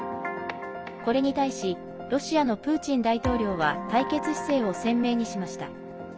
これに対しロシアのプーチン大統領は対決姿勢を鮮明にしました。